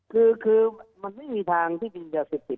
คือคือมันไม่มีทางที่เป็นยาศิษย์ผิด